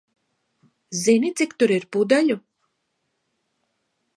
Zini, cik tur ir pudeļu?